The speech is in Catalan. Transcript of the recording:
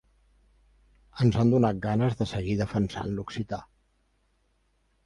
Ens ha donat ganes de seguir defensant l’occità.